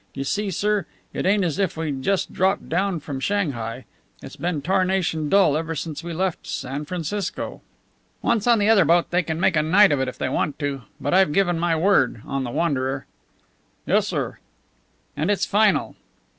You see, sir, it ain't as if we'd just dropped down from Shanghai. It's been tarnation dull ever since we left San Francisco." "Once on the other boat, they can make a night of it if they want to. But I've given my word on the Wanderer." "Yes, sir." "And it's final."